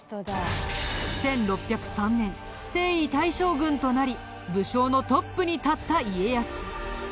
１６０３年征夷大将軍となり武将のトップに立った家康。